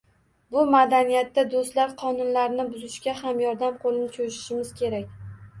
Bu madaniyatda do‘stlar qonunlarni buzishsa ham, yordam qo‘lini cho‘zishimiz kerak.